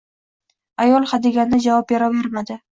Ayol hadeganda javob beravermadi